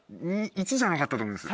１じゃなかったと思います。